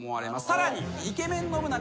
さらに。